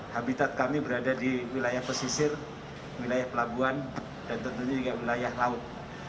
habitat kami berada di wilayah pesisir wilayah pelabuhan dan tentunya juga wilayah laut